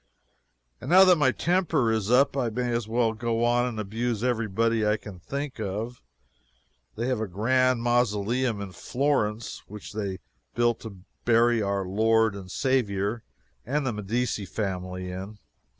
And now that my temper is up, I may as well go on and abuse every body I can think of. They have a grand mausoleum in Florence, which they built to bury our Lord and Saviour and the Medici family in.